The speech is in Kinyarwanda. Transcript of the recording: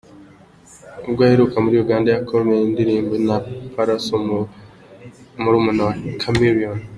Ubwo aheruka muri Uganda yakoranye indirimbo na Pallaso murumuna wa Chameleone.